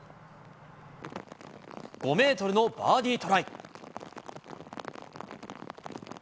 ５メートルのバーディートライ。